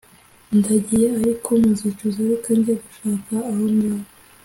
Ndagiye ariko muzicuza reka njye gushaka aho ndara